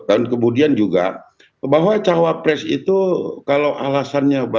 dan kemudian juga bahwa cawapres itu kalau alasannya